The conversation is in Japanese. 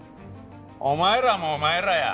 お前らもお前らや！